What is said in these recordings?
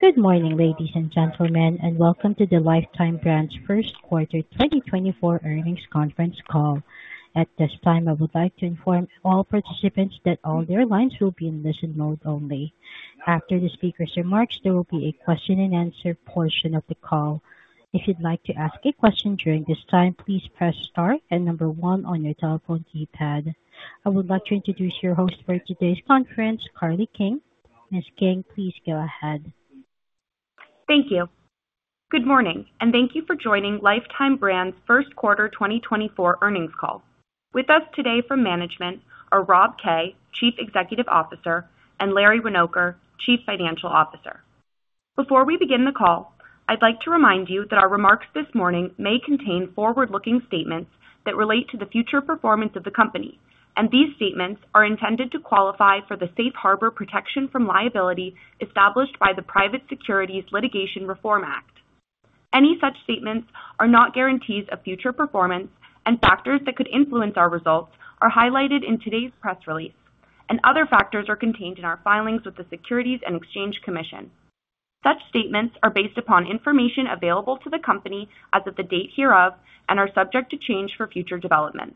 Good morning, ladies and gentlemen, and welcome to the Lifetime Brands First Quarter 2024 Earnings Conference Call. At this time, I would like to inform all participants that all their lines will be in listen mode only. After the speaker's remarks, there will be a question-and-answer portion of the call. If you'd like to ask a question during this time, please press star and number one on your telephone keypad. I would like to introduce your host for today's conference, Carly King. Ms. King, please go ahead. Thank you. Good morning, and thank you for joining Lifetime Brands First Quarter 2024 Earnings Call. With us today from management are Rob Kay, Chief Executive Officer, and Larry Winoker, Chief Financial Officer. Before we begin the call, I'd like to remind you that our remarks this morning may contain forward-looking statements that relate to the future performance of the company, and these statements are intended to qualify for the Safe Harbor protection from liability established by the Private Securities Litigation Reform Act. Any such statements are not guarantees of future performance, and factors that could influence our results are highlighted in today's press release, and other factors are contained in our filings with the Securities and Exchange Commission. Such statements are based upon information available to the company as of the date hereof and are subject to change for future developments.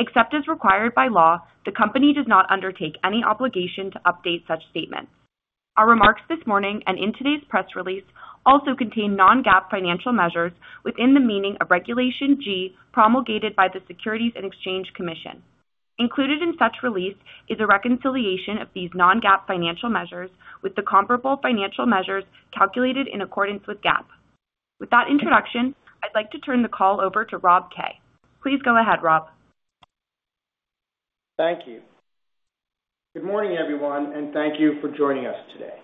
Except as required by law, the company does not undertake any obligation to update such statements. Our remarks this morning and in today's press release also contain non-GAAP financial measures within the meaning of Regulation G promulgated by the Securities and Exchange Commission. Included in such release is a reconciliation of these non-GAAP financial measures with the comparable financial measures calculated in accordance with GAAP. With that introduction, I'd like to turn the call over to Rob Kay. Please go ahead, Rob. Thank you. Good morning, everyone, and thank you for joining us today.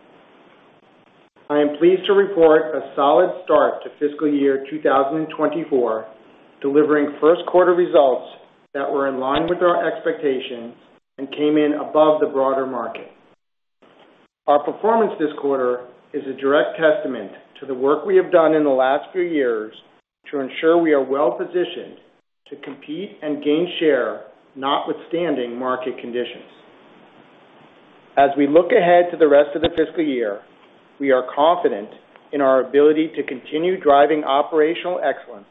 I am pleased to report a solid start to fiscal year 2024, delivering first quarter results that were in line with our expectations and came in above the broader market. Our performance this quarter is a direct testament to the work we have done in the last few years to ensure we are well-positioned to compete and gain share notwithstanding market conditions. As we look ahead to the rest of the fiscal year, we are confident in our ability to continue driving operational excellence,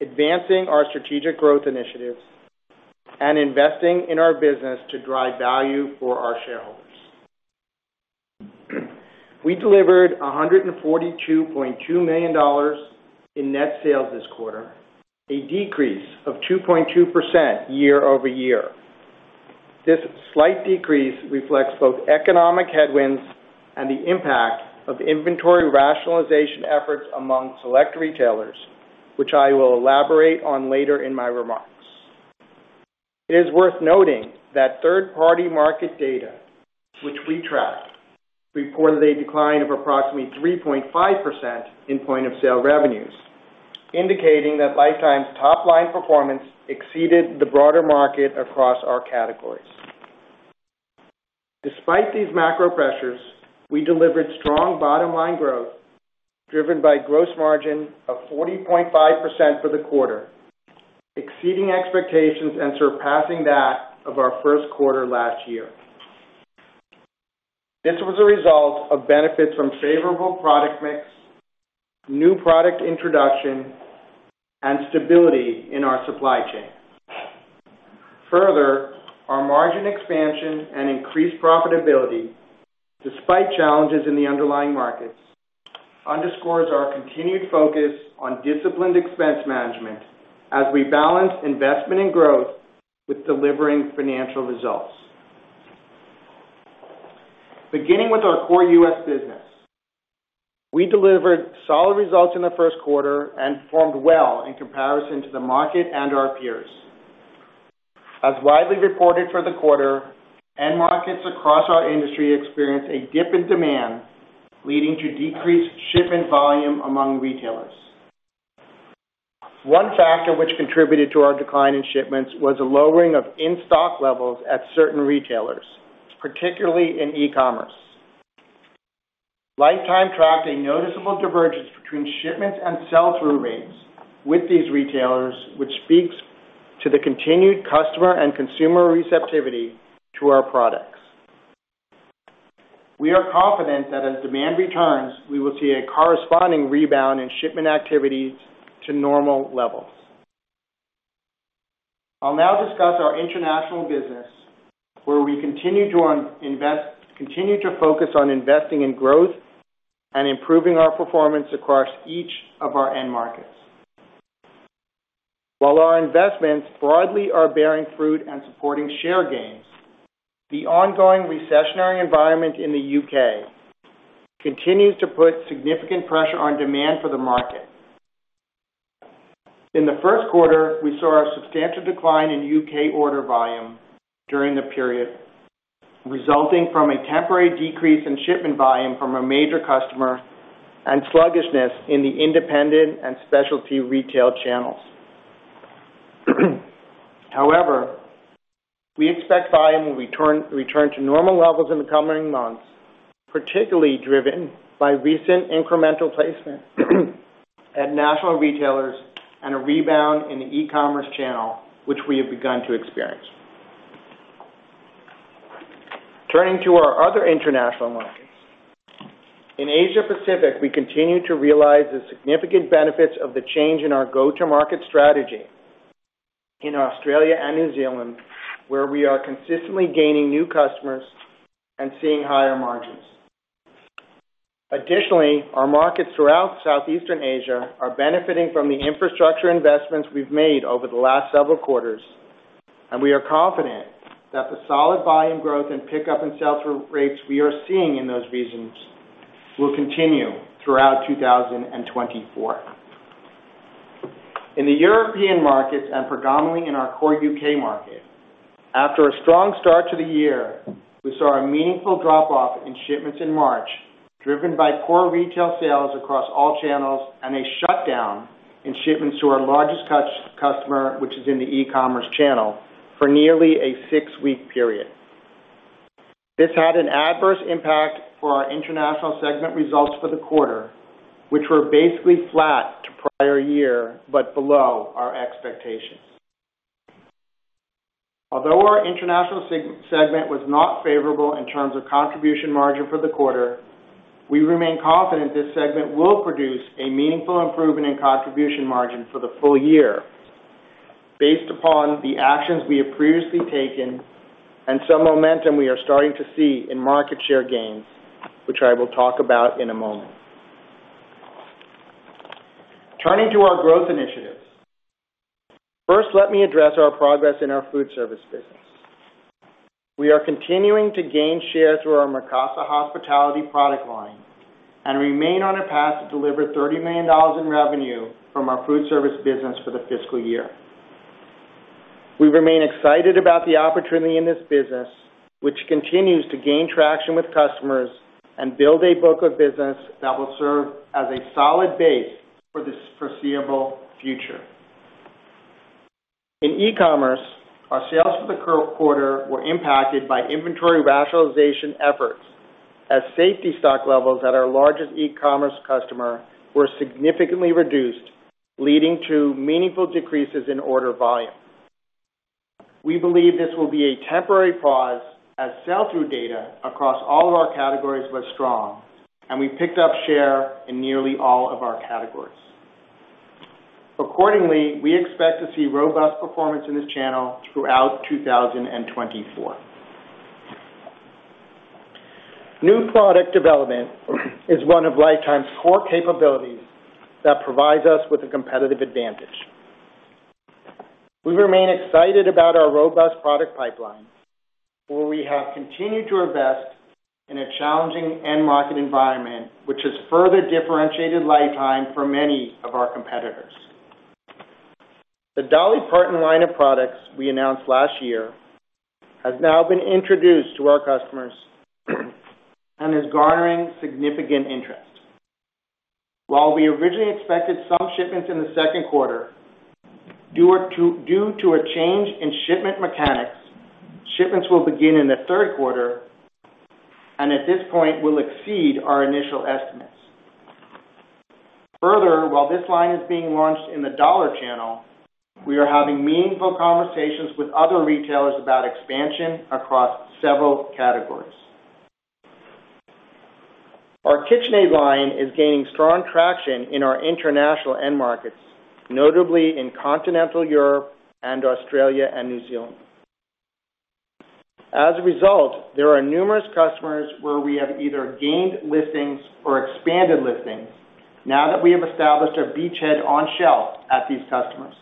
advancing our strategic growth initiatives, and investing in our business to drive value for our shareholders. We delivered $142.2 million in net sales this quarter, a decrease of 2.2% year-over-year. This slight decrease reflects both economic headwinds and the impact of inventory rationalization efforts among select retailers, which I will elaborate on later in my remarks. It is worth noting that third-party market data, which we track, reported a decline of approximately 3.5% in point-of-sale revenues, indicating that Lifetime's top-line performance exceeded the broader market across our categories. Despite these macro pressures, we delivered strong bottom-line growth driven by a gross margin of 40.5% for the quarter, exceeding expectations and surpassing that of our first quarter last year. This was a result of benefits from favorable product mix, new product introduction, and stability in our supply chain. Further, our margin expansion and increased profitability, despite challenges in the underlying markets, underscores our continued focus on disciplined expense management as we balance investment and growth with delivering financial results. Beginning with our core U.S. business, we delivered solid results in the first quarter and performed well in comparison to the market and our peers. As widely reported for the quarter, end markets across our industry experienced a dip in demand leading to decreased shipment volume among retailers. One factor which contributed to our decline in shipments was a lowering of in-stock levels at certain retailers, particularly in e-commerce. Lifetime tracked a noticeable divergence between shipments and sell-through rates with these retailers, which speaks to the continued customer and consumer receptivity to our products. We are confident that as demand returns, we will see a corresponding rebound in shipment activities to normal levels. I'll now discuss our international business, where we continue to focus on investing in growth and improving our performance across each of our end markets. While our investments broadly are bearing fruit and supporting share gains, the ongoing recessionary environment in the U.K. continues to put significant pressure on demand for the market. In the first quarter, we saw a substantial decline in U.K. order volume during the period, resulting from a temporary decrease in shipment volume from a major customer and sluggishness in the independent and specialty retail channels. However, we expect volume will return to normal levels in the coming months, particularly driven by recent incremental placement at national retailers and a rebound in the e-commerce channel, which we have begun to experience. Turning to our other international markets, in Asia-Pacific, we continue to realize the significant benefits of the change in our go-to-market strategy in Australia and New Zealand, where we are consistently gaining new customers and seeing higher margins. Additionally, our markets throughout Southeastern Asia are benefiting from the infrastructure investments we've made over the last several quarters, and we are confident that the solid volume growth and pickup in sell-through rates we are seeing in those regions will continue throughout 2024. In the European markets and predominantly in our core U.K. market, after a strong start to the year, we saw a meaningful drop-off in shipments in March, driven by poor retail sales across all channels and a shutdown in shipments to our largest customer, which is in the e-commerce channel, for nearly a six-week period. This had an adverse impact for our international segment results for the quarter, which were basically flat to prior year but below our expectations. Although our international segment was not favorable in terms of contribution margin for the quarter, we remain confident this segment will produce a meaningful improvement in contribution margin for the full year based upon the actions we have previously taken and some momentum we are starting to see in market share gains, which I will talk about in a moment. Turning to our growth initiatives, first let me address our progress in our food service business. We are continuing to gain share through our Mikasa Hospitality product line and remain on a path to deliver $30 million in revenue from our food service business for the fiscal year. We remain excited about the opportunity in this business, which continues to gain traction with customers and build a book of business that will serve as a solid base for the foreseeable future. In e-commerce, our sales for the quarter were impacted by inventory rationalization efforts as safety stock levels at our largest e-commerce customer were significantly reduced, leading to meaningful decreases in order volume. We believe this will be a temporary pause as sell-through data across all of our categories was strong, and we picked up share in nearly all of our categories. Accordingly, we expect to see robust performance in this channel throughout 2024. New product development is one of Lifetime's core capabilities that provides us with a competitive advantage. We remain excited about our robust product pipeline, where we have continued to invest in a challenging end-market environment, which has further differentiated Lifetime from many of our competitors. The Dolly Parton line of products we announced last year has now been introduced to our customers and is garnering significant interest. While we originally expected some shipments in the second quarter, due to a change in shipment mechanics, shipments will begin in the third quarter and at this point will exceed our initial estimates. Further, while this line is being launched in the dollar channel, we are having meaningful conversations with other retailers about expansion across several categories. Our KitchenAid line is gaining strong traction in our international end markets, notably in continental Europe and Australia and New Zealand. As a result, there are numerous customers where we have either gained listings or expanded listings now that we have established a beachhead on shelf at these customers.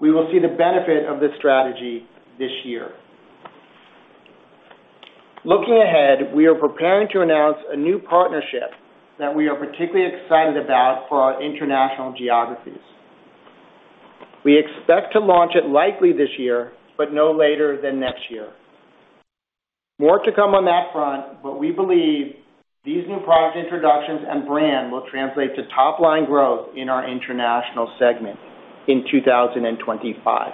We will see the benefit of this strategy this year. Looking ahead, we are preparing to announce a new partnership that we are particularly excited about for our international geographies. We expect to launch it likely this year but no later than next year. More to come on that front, but we believe these new product introductions and brand will translate to top-line growth in our international segment in 2025.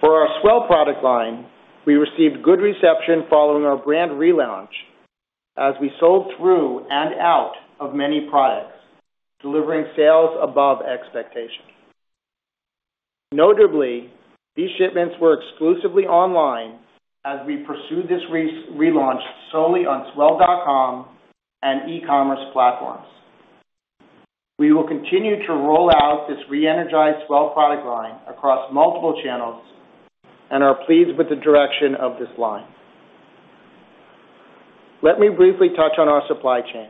For our S'well product line, we received good reception following our brand relaunch as we sold through and out of many products, delivering sales above expectations. Notably, these shipments were exclusively online as we pursued this relaunch solely on S'well.com and e-commerce platforms. We will continue to roll out this re-energized S'well product line across multiple channels and are pleased with the direction of this line. Let me briefly touch on our supply chain.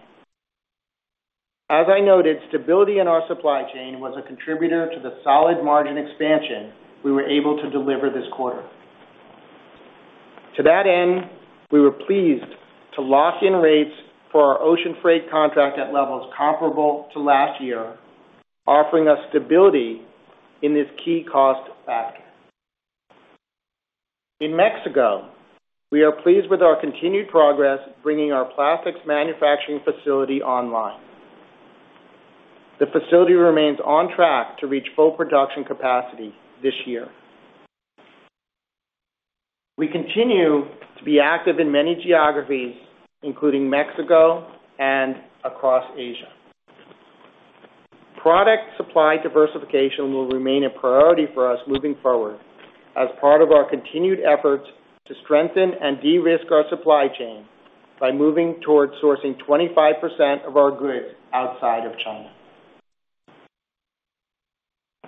As I noted, stability in our supply chain was a contributor to the solid margin expansion we were able to deliver this quarter. To that end, we were pleased to lock in rates for our ocean freight contract at levels comparable to last year, offering us stability in this key cost factor. In Mexico, we are pleased with our continued progress bringing our plastics manufacturing facility online. The facility remains on track to reach full production capacity this year. We continue to be active in many geographies, including Mexico and across Asia. Product supply diversification will remain a priority for us moving forward as part of our continued efforts to strengthen and de-risk our supply chain by moving towards sourcing 25% of our goods outside of China.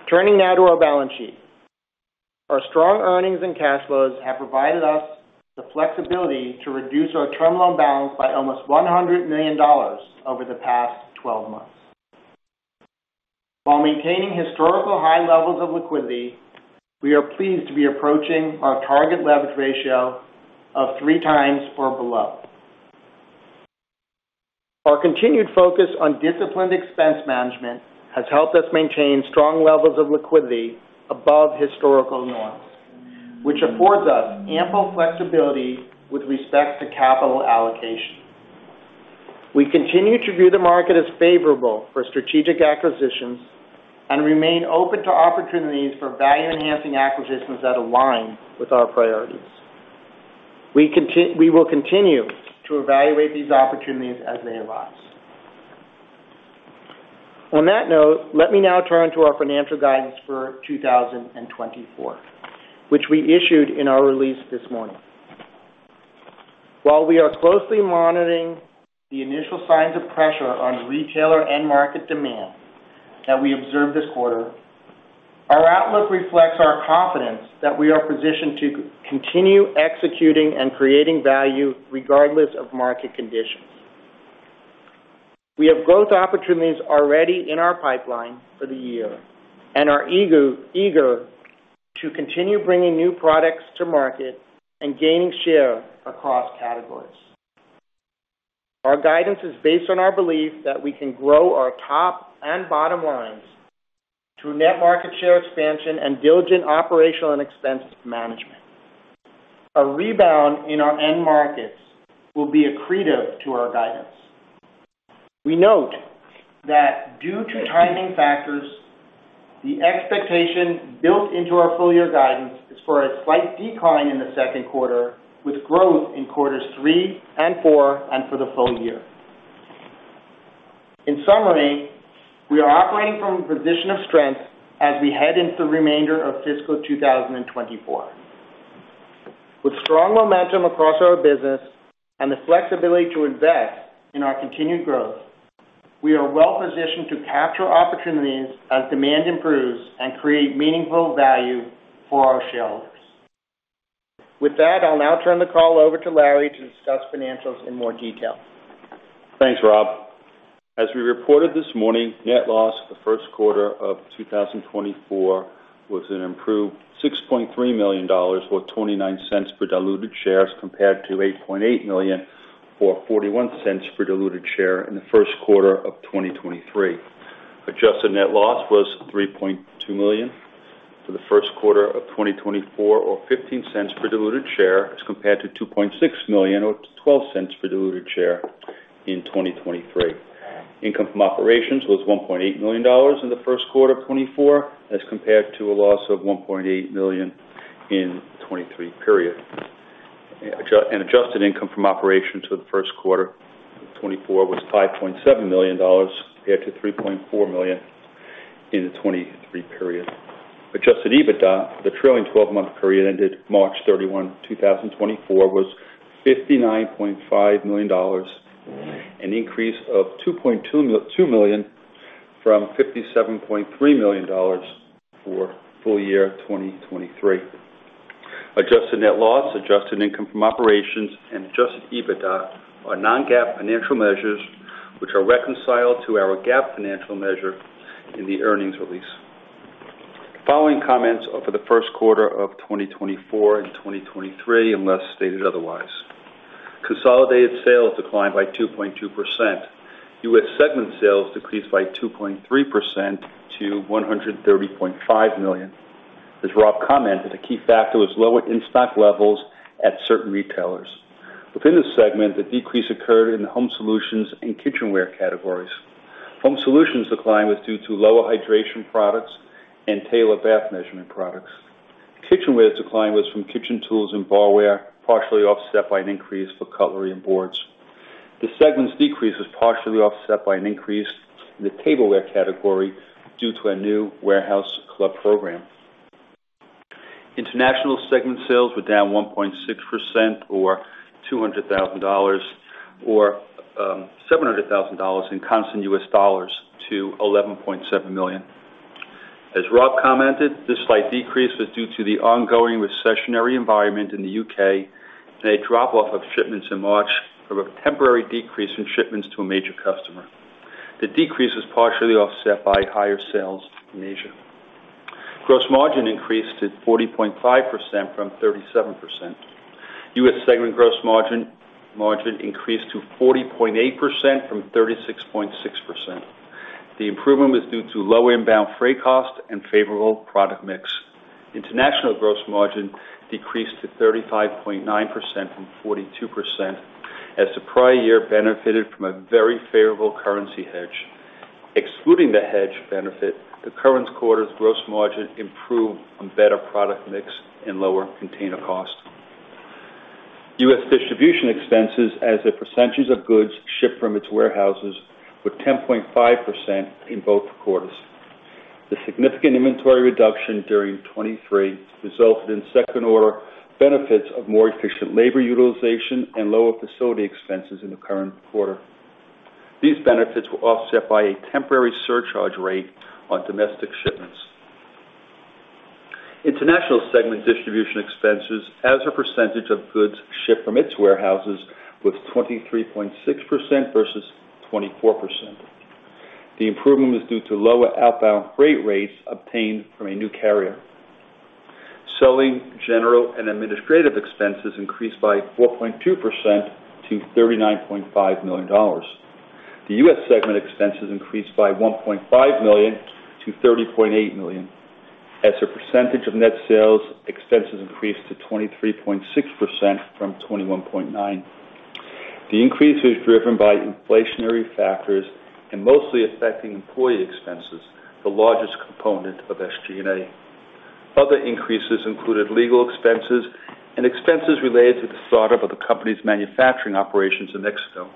Turning now to our balance sheet, our strong earnings and cash flows have provided us the flexibility to reduce our term loan balance by almost $100 million over the past 12 months. While maintaining historical high levels of liquidity, we are pleased to be approaching our target leverage ratio of 3x or below. Our continued focus on disciplined expense management has helped us maintain strong levels of liquidity above historical norms, which affords us ample flexibility with respect to capital allocation. We continue to view the market as favorable for strategic acquisitions and remain open to opportunities for value-enhancing acquisitions that align with our priorities. We will continue to evaluate these opportunities as they arise. On that note, let me now turn to our financial guidance for 2024, which we issued in our release this morning. While we are closely monitoring the initial signs of pressure on retailer end-market demand that we observed this quarter, our outlook reflects our confidence that we are positioned to continue executing and creating value regardless of market conditions. We have growth opportunities already in our pipeline for the year and are eager to continue bringing new products to market and gaining share across categories. Our guidance is based on our belief that we can grow our top and bottom lines through net market share expansion and diligent operational and expense management. A rebound in our end markets will be accretive to our guidance. We note that due to timing factors, the expectation built into our full-year guidance is for a slight decline in the second quarter with growth in quarters three and four and for the full year. In summary, we are operating from a position of strength as we head into the remainder of fiscal 2024. With strong momentum across our business and the flexibility to invest in our continued growth, we are well positioned to capture opportunities as demand improves and create meaningful value for our shareholders. With that, I'll now turn the call over to Larry to discuss financials in more detail. Thanks, Rob. As we reported this morning, net loss for the first quarter of 2024 was an improved $6.3 million or $0.29 per diluted share compared to $8.8 million or $0.41 per diluted share in the first quarter of 2023. Adjusted net loss was $3.2 million for the first quarter of 2024 or $0.15 per diluted share as compared to $2.6 million or $0.12 per diluted share in 2023. Income from operations was $1.8 million in the first quarter of 2024 as compared to a loss of $1.8 million in 2023. An adjusted income from operations for the first quarter of 2024 was $5.7 million compared to $3.4 million in the 2023 period. Adjusted EBITDA for the trailing 12-month period ended March 31, 2024, was $59.5 million, an increase of $2.2 million from $57.3 million for full year 2023. Adjusted net loss, adjusted income from operations, and adjusted EBITDA are non-GAAP financial measures, which are reconciled to our GAAP financial measure in the earnings release. Following comments for the first quarter of 2024 and 2023 unless stated otherwise. Consolidated sales declined by 2.2%. US segment sales decreased by 2.3% to $130.5 million. As Rob commented, a key factor was lower in-stock levels at certain retailers. Within this segment, the decrease occurred in the home solutions and kitchenware categories. Home solutions decline was due to lower hydration products and Taylor bath measurement products. Kitchenware's decline was from kitchen tools and barware partially offset by an increase for cutlery and boards. The segment's decrease was partially offset by an increase in the tableware category due to a new warehouse club program. International segment sales were down 1.6% or $200,000 or $700,000 in constant U.S. dollars to $11.7 million. As Rob commented, this slight decrease was due to the ongoing recessionary environment in the U.K. and a drop-off of shipments in March from a temporary decrease in shipments to a major customer. The decrease was partially offset by higher sales in Asia. Gross margin increased to 40.5% from 37%. U.S. segment gross margin increased to 40.8% from 36.6%. The improvement was due to lower inbound freight cost and favorable product mix. International gross margin decreased to 35.9% from 42% as the prior year benefited from a very favorable currency hedge. Excluding the hedge benefit, the current quarter's gross margin improved on better product mix and lower container cost. U.S. distribution expenses as the percentages of goods shipped from its warehouses were 10.5% in both quarters. The significant inventory reduction during 2023 resulted in second-order benefits of more efficient labor utilization and lower facility expenses in the current quarter. These benefits were offset by a temporary surcharge rate on domestic shipments. International segment distribution expenses as a percentage of goods shipped from its warehouses was 23.6% versus 24%. The improvement was due to lower outbound freight rates obtained from a new carrier. Selling general and administrative expenses increased by 4.2% to $39.5 million. The US segment expenses increased by $1.5 million to $30.8 million. As a percentage of net sales, expenses increased to 23.6% from 21.9%. The increase was driven by inflationary factors and mostly affecting employee expenses, the largest component of SG&A. Other increases included legal expenses and expenses related to the startup of the company's manufacturing operations in Mexico.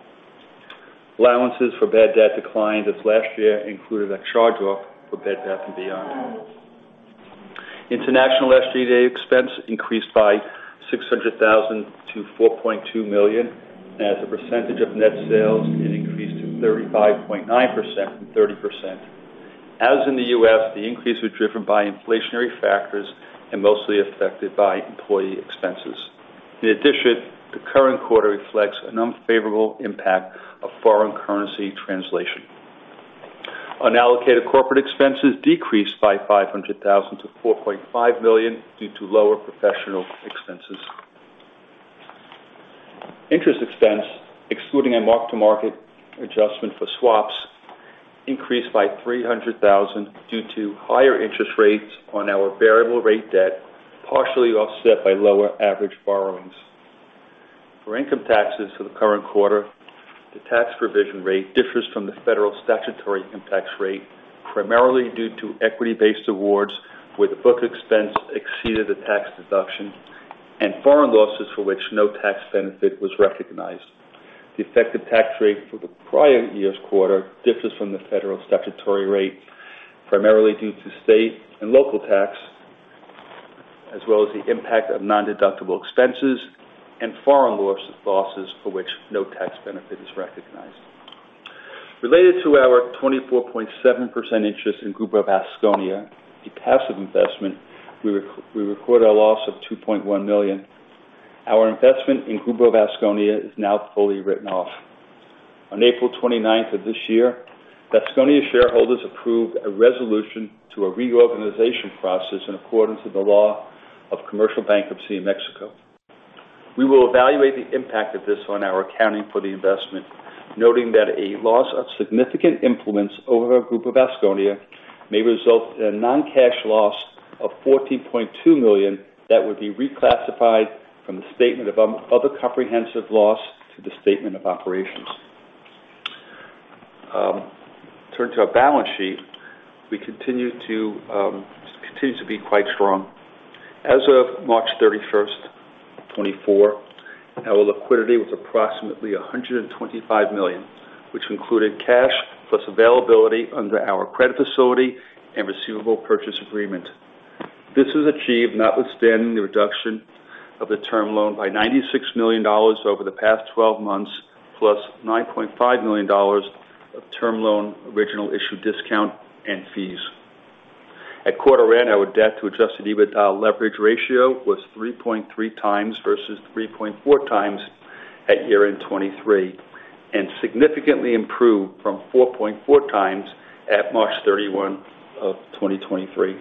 Allowances for bad debt declined as last year included a charge-off for Bed Bath & Beyond. International SG&A expense increased by $600,000 to $4.2 million. As a percentage of net sales, it increased to 35.9% from 30%. As in the U.S., the increase was driven by inflationary factors and mostly affected by employee expenses. In addition, the current quarter reflects an unfavorable impact of foreign currency translation. Unallocated corporate expenses decreased by $500,000-$4.5 million due to lower professional expenses. Interest expense excluding a mark-to-market adjustment for swaps increased by $300,000 due to higher interest rates on our variable rate debt partially offset by lower average borrowings. For income taxes for the current quarter, the tax provision rate differs from the federal statutory income tax rate primarily due to equity-based awards where the book expense exceeded the tax deduction and foreign losses for which no tax benefit was recognized. The effective tax rate for the prior year's quarter differs from the federal statutory rate primarily due to state and local tax as well as the impact of non-deductible expenses and foreign losses for which no tax benefit is recognized. Related to our 24.7% interest in Grupo Vasconia, the passive investment, we recorded a loss of $2.1 million. Our investment in Grupo Vasconia is now fully written off. On April 29th of this year, Vasconia shareholders approved a resolution to a reorganization process in accordance with the law of commercial bankruptcy in Mexico. We will evaluate the impact of this on our accounting for the investment, noting that a loss of significant influence over Grupo Vasconia may result in a non-cash loss of $14.2 million that would be reclassified from the statement of other comprehensive loss to the statement of operations. Turning to our balance sheet, we continue to be quite strong. As of March 31st, 2024, our liquidity was approximately $125 million, which included cash plus availability under our credit facility and receivable purchase agreement. This was achieved notwithstanding the reduction of the term loan by $96 million over the past 12 months plus $9.5 million of term loan original issue discount and fees. At quarter-end, our debt to adjusted EBITDA leverage ratio was 3.3x versus 3.4x at year-end 2023 and significantly improved from 4.4x at March 31 of 2023.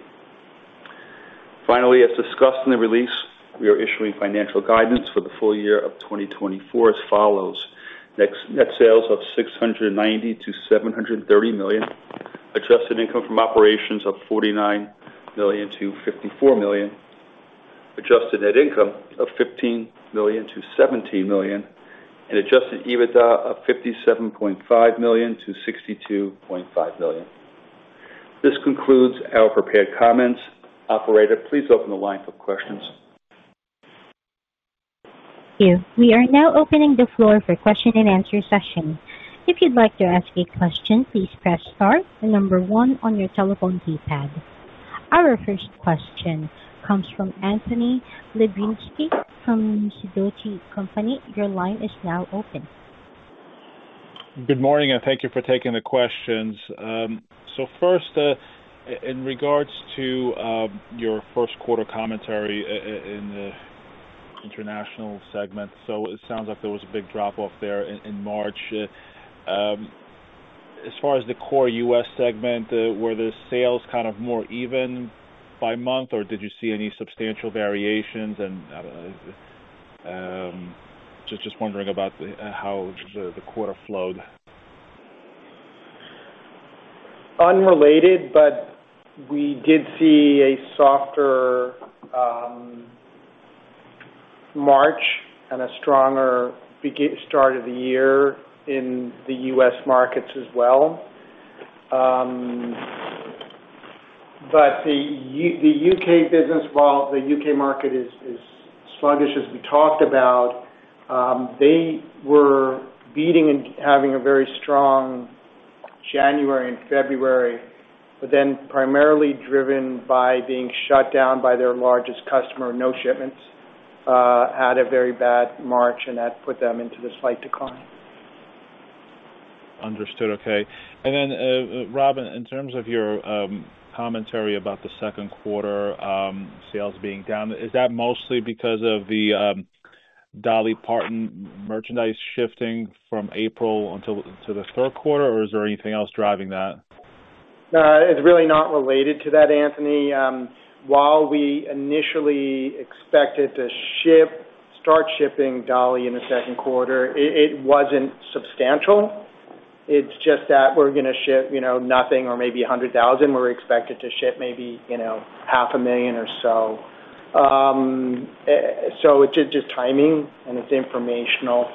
Finally, as discussed in the release, we are issuing financial guidance for the full year of 2024 as follows: Net sales of $690 million-$730 million, adjusted income from operations of $49 million-$54 million, adjusted net income of $15 million-$17 million, and adjusted EBITDA of $57.5 million-$62.5 million. This concludes our prepared comments. Operator, please open the line for questions. Thank you. We are now opening the floor for question-and-answer session. If you'd like to ask a question, please press star and number one on your telephone keypad. Our first question comes from Anthony Lebiedzinski from Sidoti & Company. Your line is now open. Good morning. Thank you for taking the questions. So first, in regards to your first quarter commentary in the international segment, so it sounds like there was a big drop-off there in March. As far as the core U.S. segment, were the sales kind of more even by month, or did you see any substantial variations? And just wondering about how the quarter flowed? Unrelated, but we did see a softer March and a stronger start of the year in the US markets as well. The UK business, while the UK market is sluggish as we talked about, they were beating and having a very strong January and February, but then primarily driven by being shut down by their largest customer, no shipments, had a very bad March, and that put them into this slight decline. Understood. Okay. And then, Rob, in terms of your commentary about the second quarter, sales being down, is that mostly because of the Dolly Parton merchandise shifting from April until the third quarter, or is there anything else driving that? It's really not related to that, Anthony. While we initially expected to start shipping Dolly in the second quarter, it wasn't substantial. It's just that we're going to ship nothing or maybe 100,000. We're expected to ship maybe half a million or so. So it's just timing, and it's informational.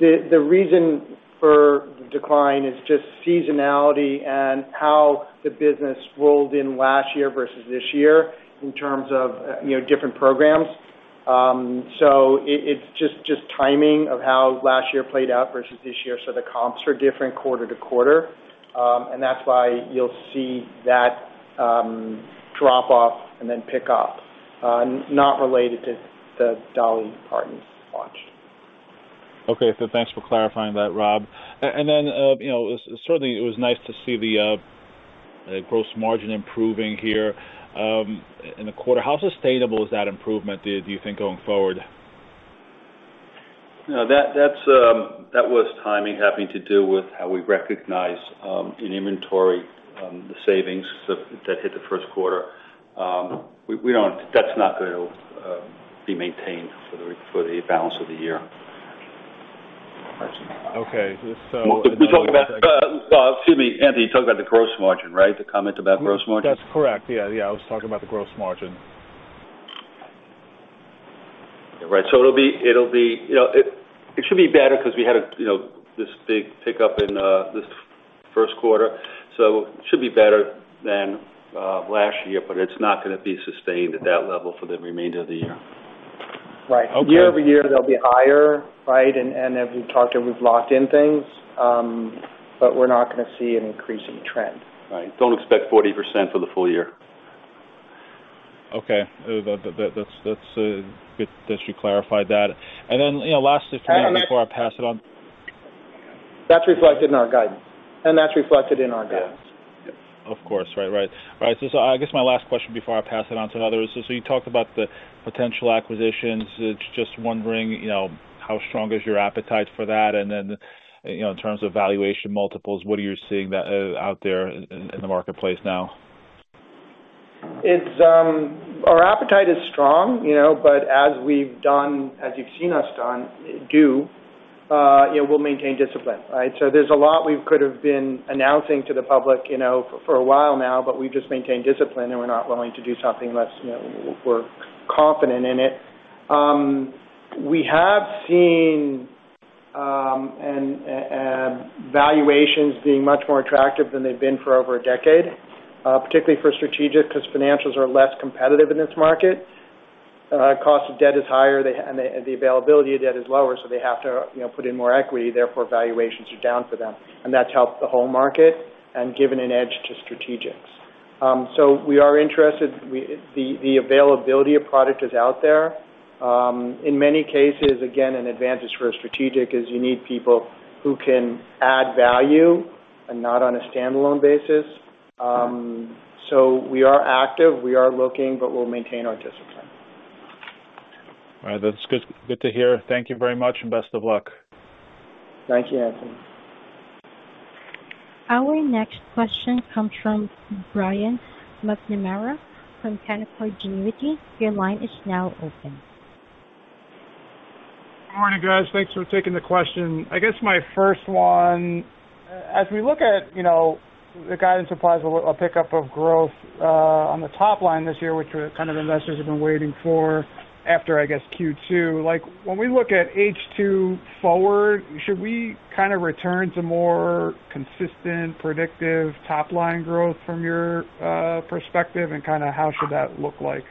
The reason for the decline is just seasonality and how the business rolled in last year versus this year in terms of different programs. So it's just timing of how last year played out versus this year. So the comps are different quarter to quarter, and that's why you'll see that drop-off and then pickup, not related to the Dolly Parton launch. Okay. So thanks for clarifying that, Rob. And then certainly, it was nice to see the gross margin improving here in the quarter. How sustainable is that improvement, do you think, going forward? That was timing having to do with how we recognize in inventory the savings that hit the first quarter. That's not going to be maintained for the balance of the year. Okay. So. We're talking about, excuse me, Anthony, you're talking about the gross margin, right? The comment about gross margin? That's correct. Yeah. Yeah. I was talking about the gross margin. Right. So it should be better because we had this big pickup in this first quarter. So it should be better than last year, but it's not going to be sustained at that level for the remainder of the year. Right. Year-over-year, they'll be higher, right? As we've talked, and we've locked in things, but we're not going to see an increasing trend. Right. Don't expect 40% for the full year. Okay. That's good that you clarified that. Lastly for me before I pass it on. That's reflected in our guidance. And that's reflected in our guidance. Yes. Yep. Of course. Right. Right. Right. So I guess my last question before I pass it on to another is so you talked about the potential acquisitions. Just wondering how strong is your appetite for that? And then in terms of valuation multiples, what are you seeing out there in the marketplace now? Our appetite is strong, but as we've done as you've seen us do, we'll maintain discipline, right? So there's a lot we could have been announcing to the public for a while now, but we've just maintained discipline, and we're not willing to do something unless we're confident in it. We have seen valuations being much more attractive than they've been for over a decade, particularly for strategic because financials are less competitive in this market. Cost of debt is higher, and the availability of debt is lower, so they have to put in more equity. Therefore, valuations are down for them. And that's helped the whole market and given an edge to strategics. So we are interested. The availability of product is out there. In many cases, again, an advantage for a strategic is you need people who can add value and not on a standalone basis. We are active. We are looking, but we'll maintain our discipline. All right. That's good to hear. Thank you very much, and best of luck. Thank you, Anthony. Our next question comes from Brian McNamara from Canaccord Genuity. Your line is now open. Good morning, guys. Thanks for taking the question. I guess my first one, as we look at the guidance applies a pickup of growth on the top line this year, which kind of investors have been waiting for after, I guess, Q2, when we look at H2 forward, should we kind of return to more consistent, predictive top-line growth from your perspective, and kind of how should that look like?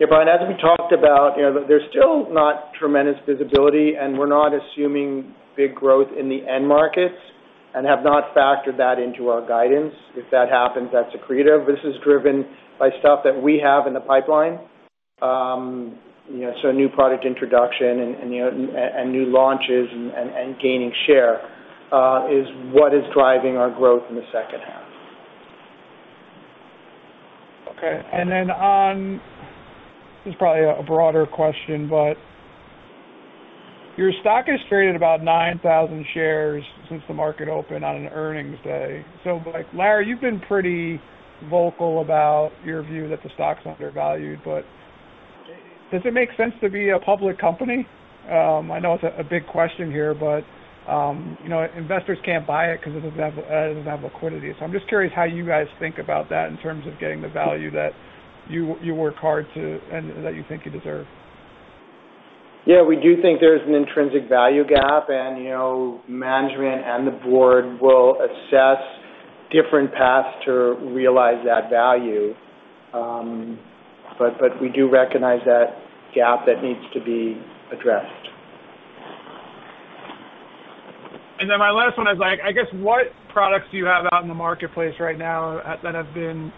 Yeah, Brian, as we talked about, there's still not tremendous visibility, and we're not assuming big growth in the end markets and have not factored that into our guidance. If that happens, that's accretive. This is driven by stuff that we have in the pipeline. So new product introduction and new launches and gaining share is what is driving our growth in the second half. Okay. And then, on this, is probably a broader question, but your stock has traded about 9,000 shares since the market opened on an earnings day. So, Larry, you've been pretty vocal about your view that the stock's undervalued, but does it make sense to be a public company? I know it's a big question here, but investors can't buy it because it doesn't have liquidity. So I'm just curious how you guys think about that in terms of getting the value that you work hard to and that you think you deserve. Yeah. We do think there's an intrinsic value gap, and management and the board will assess different paths to realize that value. But we do recognize that gap that needs to be addressed. And then my last one is, I guess, what products do you have out in the marketplace right now that have been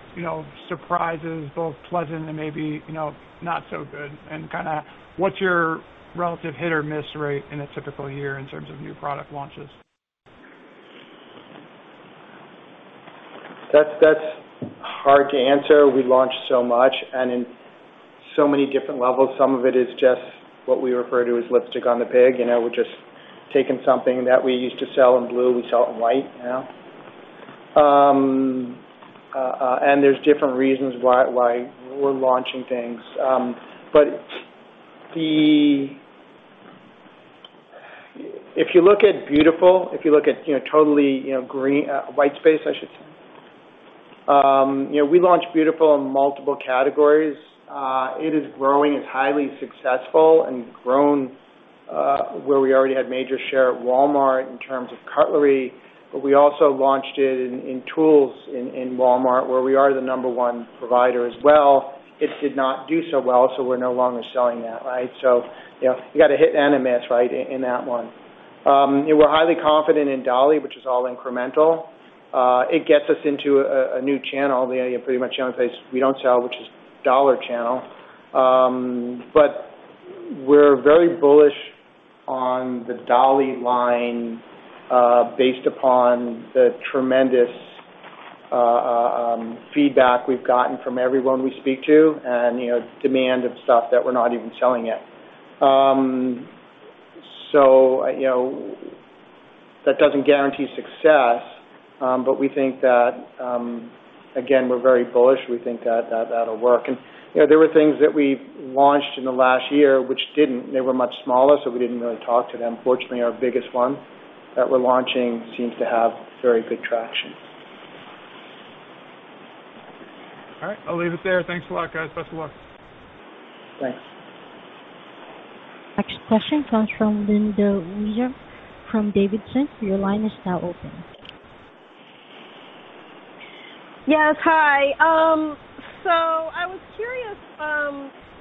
surprises, both pleasant and maybe not so good? And kind of what's your relative hit-or-miss rate in a typical year in terms of new product launches? That's hard to answer. We launch so much and in so many different levels. Some of it is just what we refer to as lipstick on the pig. We're just taking something that we used to sell in blue. We sell it in white now. And there's different reasons why we're launching things. But if you look at Beautiful, if you look at totally white space, I should say, we launched Beautiful in multiple categories. It is growing. It's highly successful and grown where we already had major share at Walmart in terms of cutlery. But we also launched it in tools in Walmart where we are the number one provider as well. It did not do so well, so we're no longer selling that, right? So you got to hit and miss, right, in that one. We're highly confident in Dolly, which is all incremental. It gets us into a new channel, pretty much the only place we don't sell, which is Dollar Channel. But we're very bullish on the Dolly line based upon the tremendous feedback we've gotten from everyone we speak to and demand of stuff that we're not even selling yet. So that doesn't guarantee success, but we think that, again, we're very bullish. We think that that'll work. And there were things that we launched in the last year which didn't. They were much smaller, so we didn't really talk to them. Fortunately, our biggest one that we're launching seems to have very good traction. All right. I'll leave it there. Thanks a lot, guys. Best of luck. Thanks. Next question comes from Linda Bolton Weiser from Davidson. Your line is now open. Yes. Hi. So I was curious,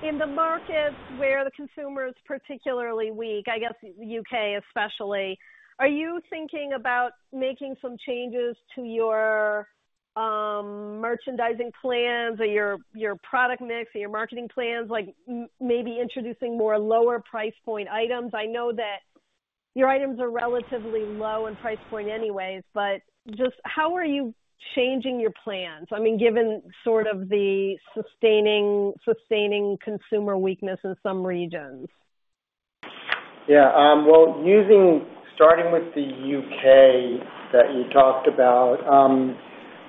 in the markets where the consumer is particularly weak, I guess the UK. especially, are you thinking about making some changes to your merchandising plans or your product mix or your marketing plans, maybe introducing more lower-price point items? I know that your items are relatively low in price point anyways, but just how are you changing your plans, I mean, given sort of the sustaining consumer weakness in some regions? Yeah. Well, starting with the U.K. that you talked about,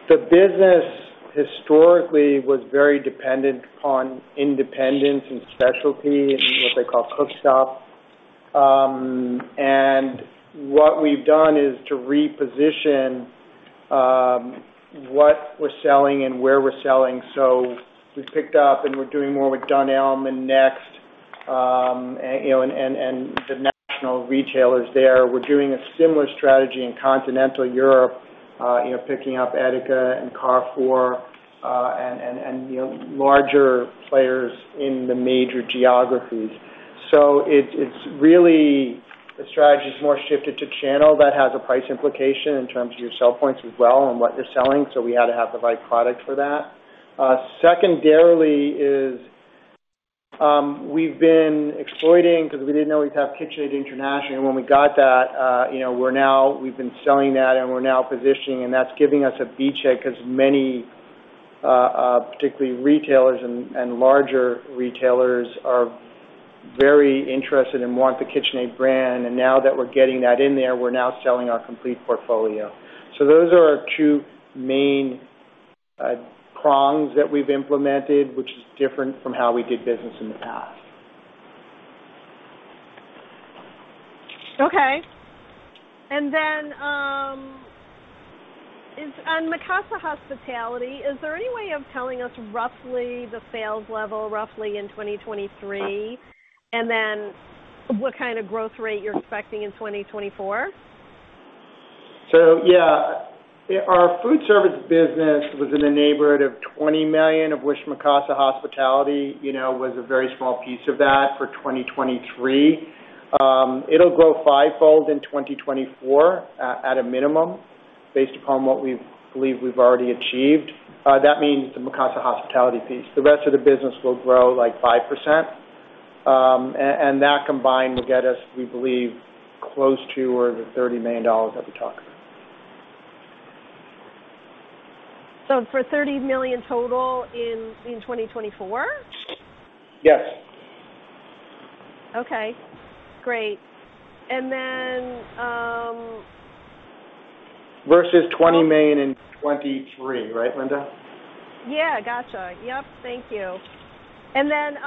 the business historically was very dependent upon independents and specialty in what they call cook shop. And what we've done is to reposition what we're selling and where we're selling. So we've picked up, and we're doing more with Dunelm and Next and the national retailers there. We're doing a similar strategy in continental Europe, picking up and Edeka, Carrefour and larger players in the major geographies. So the strategy is more shifted to channel. That has a price implication in terms of your sell points as well and what you're selling. So we had to have the right product for that. Secondarily, we've been exploiting because we didn't always have KitchenAid International. And when we got that, we've been selling that, and we're now positioning, and that's giving us a beachhead because many particularly retailers and larger retailers are very interested and want the KitchenAid brand. And now that we're getting that in there, we're now selling our complete portfolio. So those are our two main prongs that we've implemented, which is different from how we did business in the past. Okay. And then on Mikasa Hospitality, is there any way of telling us roughly the sales level, roughly in 2023, and then what kind of growth rate you're expecting in 2024? So yeah. Our food service business was in the neighborhood of $20 million, of which Mikasa Hospitality was a very small piece of that for 2023. It'll grow fivefold in 2024 at a minimum based upon what we believe we've already achieved. That means the Mikasa Hospitality piece. The rest of the business will grow like 5%. And that combined will get us, we believe, close to or the $30 million that we talk about. For $30 million total in 2024? Yes. Okay. Great. And then. Versus $20 million in 2023, right, Linda? Yeah. Gotcha. Yep. Thank you. And then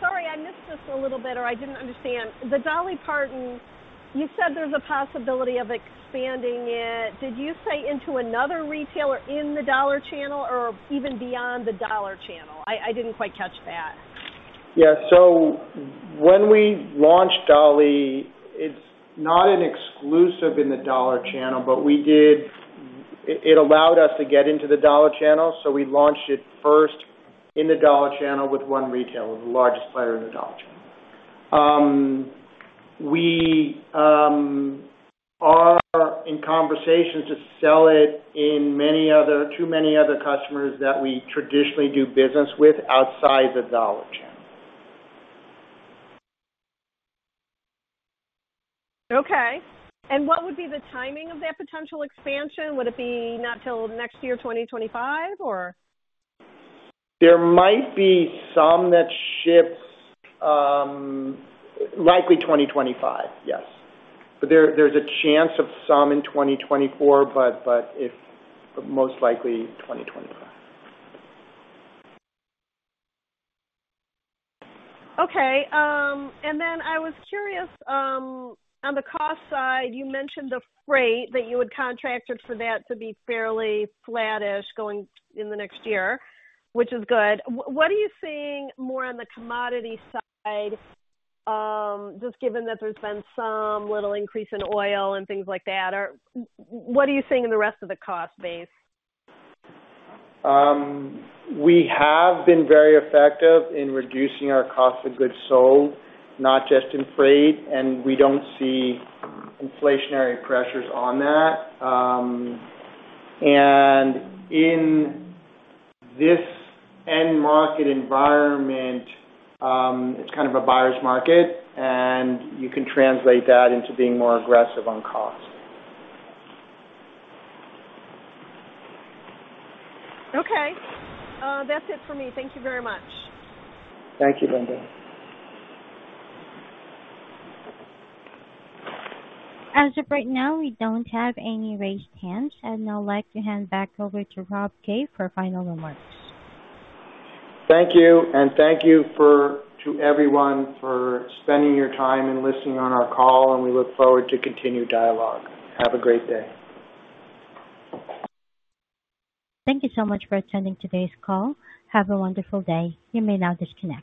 sorry, I missed this a little bit, or I didn't understand. The Dolly Parton, you said there's a possibility of expanding it. Did you say into another retailer in the Dollar Channel or even beyond the Dollar Channel? I didn't quite catch that. Yeah. So when we launched Dolly, it's not an exclusive in the Dollar Channel, but it allowed us to get into the Dollar Channel. So we launched it first in the Dollar Channel with one retailer, the largest player in the Dollar Channel. We are in conversations to sell it to many other customers that we traditionally do business with outside the Dollar Channel. Okay. What would be the timing of that potential expansion? Would it be not till next year, 2025, or? There might be some that ship likely 2025. Yes. But there's a chance of some in 2024, but most likely 2025. Okay. And then I was curious, on the cost side, you mentioned the freight that you had contracted for that to be fairly flat-ish going in the next year, which is good. What are you seeing more on the commodity side, just given that there's been some little increase in oil and things like that? What are you seeing in the rest of the cost base? We have been very effective in reducing our cost of goods sold, not just in freight, and we don't see inflationary pressures on that. In this end-market environment, it's kind of a buyer's market, and you can translate that into being more aggressive on cost. Okay. That's it for me. Thank you very much. Thank you, Linda. As of right now, we don't have any raised hands, and I'll like to hand back over to Rob Kay for final remarks. Thank you. Thank you to everyone for spending your time and listening on our call, and we look forward to continued dialogue. Have a great day. Thank you so much for attending today's call. Have a wonderful day. You may now disconnect.